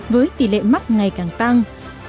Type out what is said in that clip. với tỷ lệ mắc ngày càng trở nên trầm trọng